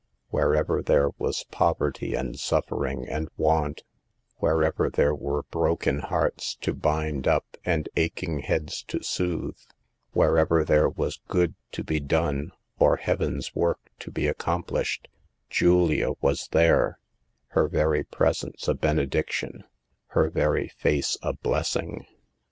Wherever there was poverty and suffering and want ; wherever there were broken hearts to bind up and aching heads to soothe; wherever there was good to be done or heaven's work to be accom plished, Julia was there, her very presence a benediction, her very face a blessing.